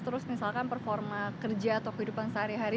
terus misalkan performa kerja atau kehidupan sehari hari